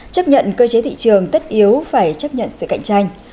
chấp nhận cơ chế thị trường tất yếu phải chấp nhận sự cạnh tranh